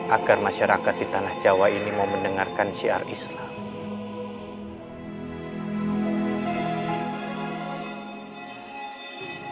agar masyarakat di tanah jawa ini mau mendengarkan syiar islam